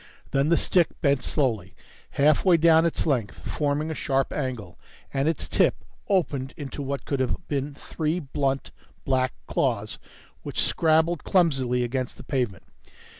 Then the stick bent slowly halfway down its length, forming a sharp angle, and its tip opened into what could have been three blunt, black claws which scrabbled clumsily against the pavement.